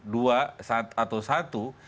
dua atau satu